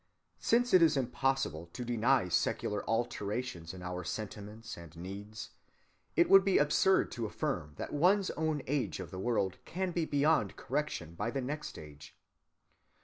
Since it is impossible to deny secular alterations in our sentiments and needs, it would be absurd to affirm that one's own age of the world can be beyond correction by the next age.